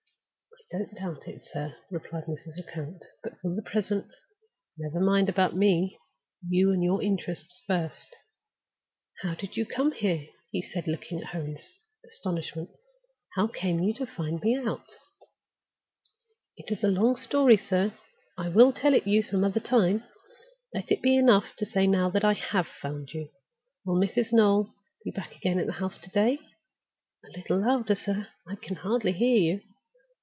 "I don't doubt it, sir," replied Mrs. Lecount. "But for the present, never mind about Me. You and your interests first." "How did you come here?" he asked, looking at her in astonishment. "How came you to find me out?" "It is a long story, sir; I will tell it you some other time. Let it be enough to say now that I have found you. Will Mrs. Noel be back again at the house to day? A little louder, sir; I can hardly hear you.